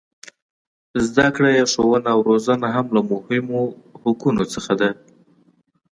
زده کړه یا ښوونه او روزنه هم له مهمو حقونو څخه ده.